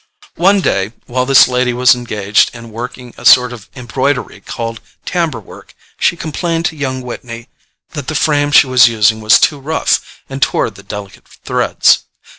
One day, while this lady was engaged in working a sort of embroidery called "tambour work," she complained to young Whitney that the frame she was using was too rough and tore the delicate threads.